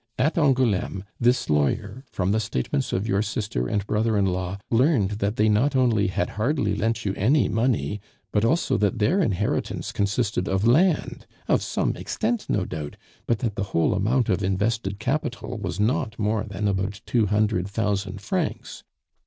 At Angouleme this lawyer, from the statements of your sister and brother in law, learned that they not only had hardly lent you any money, but also that their inheritance consisted of land, of some extent no doubt, but that the whole amount of invested capital was not more than about two hundred thousand francs.